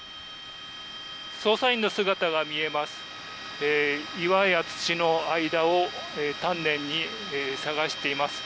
捜査員の姿が見えます。